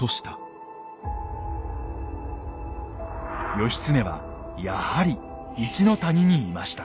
義経はやはり一の谷にいました。